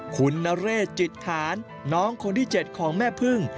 คุณนเรศจิตฐานน้องคนที่๗ของแม่พึ่ง